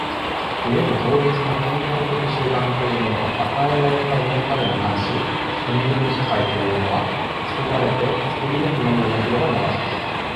故に動物の本能的集団というものは与えられたものたるに反し、人間の社会というのは作られて作り行くものでなければならない。